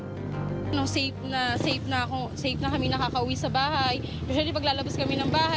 รู้สึกชอบเราได้เติมได้ออกมาค่ะ